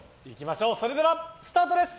それではスタートです！